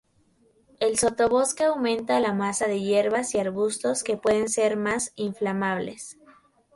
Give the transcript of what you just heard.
El sotobosque aumenta la masa de hierbas y arbustos que pueden ser más inflamables.